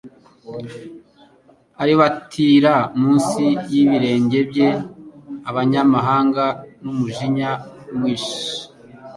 aribatira munsi y'ibirenge bye abanyamahanga n'umujinya mwinshi.